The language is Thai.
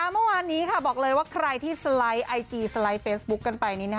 เมื่อวานนี้บอกเลยว่าใครที่สไลด์ไอจีสไลด์เฟซบุ๊คกันไป